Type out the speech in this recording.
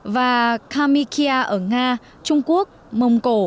và kamikia ở nga trung quốc mông cổ